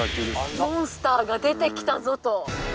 モンスターが出てきたぞと。